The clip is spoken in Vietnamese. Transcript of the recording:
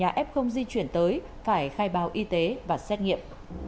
các điểm f và người nhà f di chuyển tới phải khai báo y tế và xét nghiệm